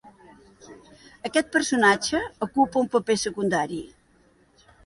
Aquest personatge ocupa un paper secundari.